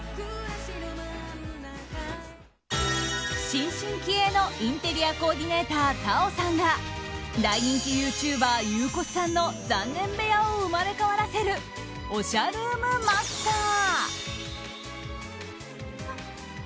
新進気鋭のインテリアコーディネーターＴａｏさんが大人気ユーチューバーゆうこすさんの残念部屋を生まれ変わらせるおしゃルームマスター。